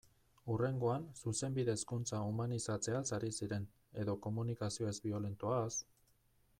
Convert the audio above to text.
Hurrengoan, Zuzenbide-hezkuntza humanizatzeaz ari ziren, edo komunikazio ez-biolentoaz...